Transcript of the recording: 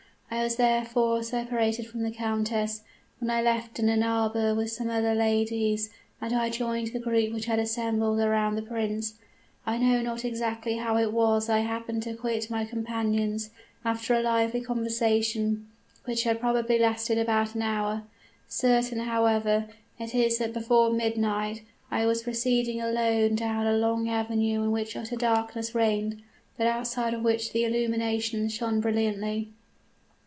I was therefore separated from the countess, whom I left in an arbor with some other ladies, and I joined the group which had assembled around the prince. I know not exactly how it was I happened to quit my companions, after a lively conversation which had probably lasted about an hour; certain, however, it is that before midnight I was proceeding alone down a long avenue in which utter darkness reigned, but outside of which the illuminations shone brilliantly.